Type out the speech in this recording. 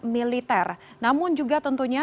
militer namun juga tentunya